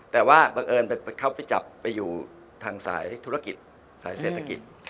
แต่ว่าบังเอิญเขาไปจับไปอยู่ทางสายธุรกิจสายเศรษฐกิจ